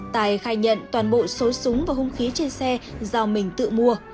tài khai nhận toàn bộ số súng và hung khí trên xe do mình tự mua